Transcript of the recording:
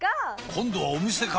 今度はお店か！